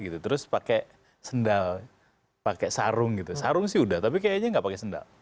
terus pakai sendal pakai sarung sarung sudah tapi kayaknya tidak pakai sendal